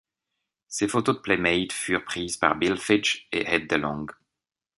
Ses photos de playmate furent prises par Bill Figge et Ed DeLong.